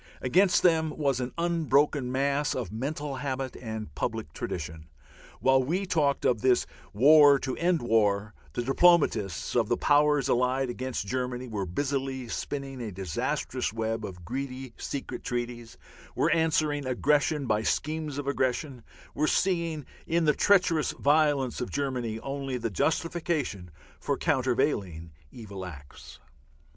Against them was an unbroken mass of mental habit and public tradition. While we talked of this "war to end war," the diplomatists of the Powers allied against Germany were busily spinning a disastrous web of greedy secret treaties, were answering aggression by schemes of aggression, were seeing in the treacherous violence of Germany only the justification for countervailing evil acts.